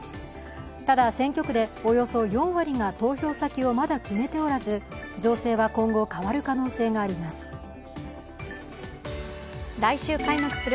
ただ選挙区でおよそ４割が投票先をまだ決めておらず、情勢は今後、変わる可能性があります。